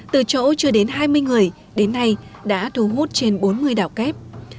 từ chỗ chưa đến hai mươi người đến nay đã thu hút trên bốn mươi đảo kép